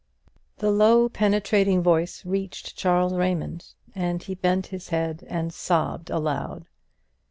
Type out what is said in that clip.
The low penetrating voice reached Charles Raymond, and he bent his head and sobbed aloud.